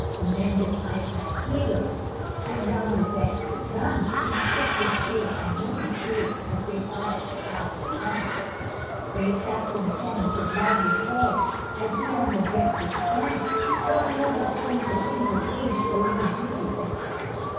The men did fight like hero's, And round the decks did run, Each ship did shake and no mistake, As they fired their powerful guns, Brave Captain Semmes did loudly call, As he on the deck did stand, Don't move or flnch a single inch, "Do your duty every man."